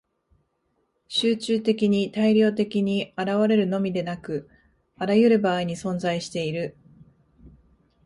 集中的に大量的に現れるのみでなく、あらゆる場合に存在している。